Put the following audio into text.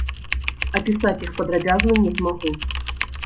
Апісаць іх падрабязна не змагу.